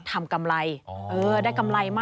ทำมาค้าขึ้นเลย